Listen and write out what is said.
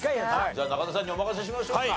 じゃあ中田さんにお任せしましょうか。